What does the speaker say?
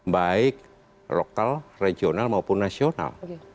baik lokal regional maupun nasional